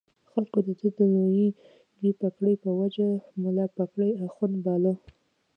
خلکو د ده د لویې پګړۍ په وجه ملا پګړۍ اخُند باله.